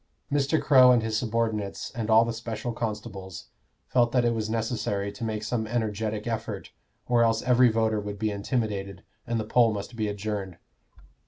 Mr. Crow and his subordinates, and all the special constables, felt that it was necessary to make some energetic effort, or else every voter would be intimidated and the poll must be adjourned.